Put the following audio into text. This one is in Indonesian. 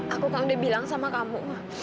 aku kang udah bilang sama kamu